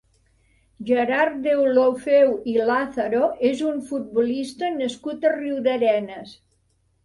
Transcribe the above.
Gerard Deulofeu i Lázaro és un futbolista nascut a Riudarenes.